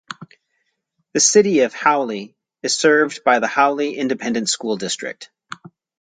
The City of Hawley is served by the Hawley Independent School District.